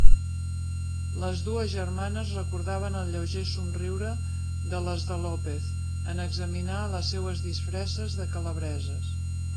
Les dues germanes recordaven el lleuger somriure de les de López en examinar les seues disfresses de calabreses.